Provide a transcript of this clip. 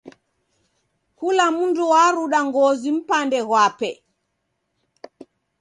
Kula mndu waruda ngozi mpande ghwape.